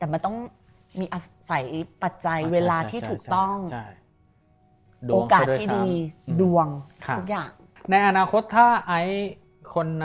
แต่มันต้องมีอาศัยปัจจัยเวลาที่ถูกต้องโอกาสที่ดีดวงทุกอย่าง